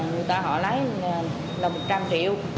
người ta họ lấy là một trăm linh triệu